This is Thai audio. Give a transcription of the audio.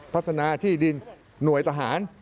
พัฒนาที่ดินหน่วยทหาร